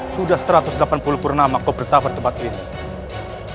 sudah satu ratus delapan puluh purnama kau bertahap berdebat ini